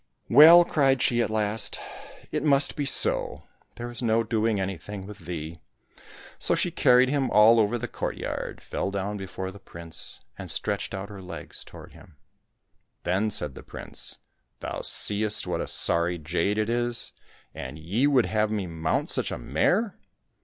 " Well," 278 IVAN GOLIK AND THE SERPENTS cried she at last, " it must be so, there is no doing anything with thee !" So she carried him all over the courtyard, fell down before the prince, and stretched out her legs toward him. Then said the prince, " Thou seest what a sorry jade it is ! And ye would have had me mount such a mare